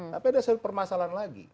tapi ada satu permasalahan lagi